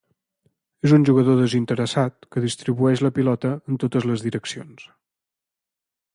És un jugador desinteressat que distribueix la pilota en totes les direccions.